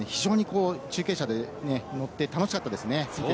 中継車に乗って楽しかったです。